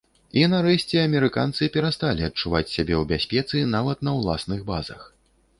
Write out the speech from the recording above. І нарэшце, амерыканцы перасталі адчуваць сябе ў бяспецы нават на ўласных базах.